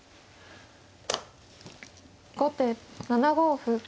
後手７五歩。